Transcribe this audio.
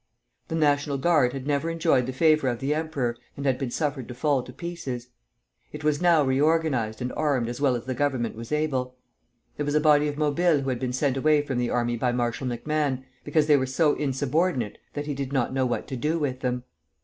The National Guard had never enjoyed the favor of the emperor, and had been suffered to fall to pieces. It was now reorganized and armed as well as the Government was able. There was a body of Mobiles who had been sent away from the army by Marshal MacMahon because they were so insubordinate that he did not know what to do with them.